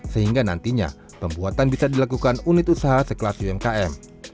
sehingga nantinya pembuatan bisa dilakukan unit usaha sekelas umkm